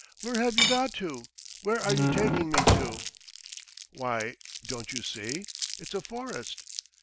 "Where have you got to? Where are you taking me to?" "Why, don't you see? It's a forest!"